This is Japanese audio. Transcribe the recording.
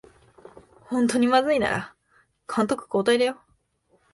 ほんとにまずいなら監督交代だよ